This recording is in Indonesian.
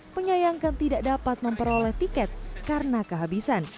menyayangkan tidak dapat memperoleh tiket karena kehabisan